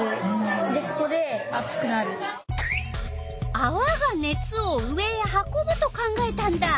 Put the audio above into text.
あわが熱を上へ運ぶと考えたんだ。